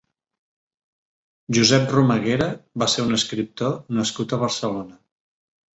Josep Romaguera va ser un escriptor nascut a Barcelona.